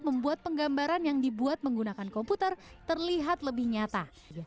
membuat penggambaran yang dibuat menggunakan komputer terlihat lebih nyata